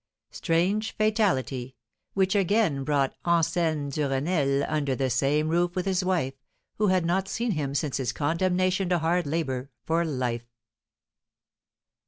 Strange fatality, which again brought Anselm Duresnel under the same roof with his wife, who had not seen him since his condemnation to hard labour for life!